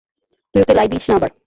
তুই ওকে লাই দিস না আবার!